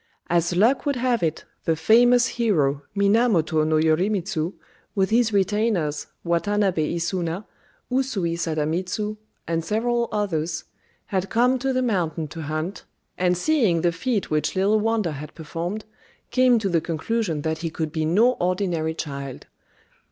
] As luck would have it, the famous hero, Minamoto no Yorimitsu, with his retainers, Watanabé Isuna, Usui Sadamitsu, and several others, had come to the mountain to hunt, and seeing the feat which "Little Wonder" had performed, came to the conclusion that he could be no ordinary child.